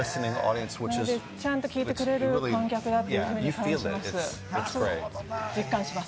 ちゃんと聴いてくれる観客だなと実感します。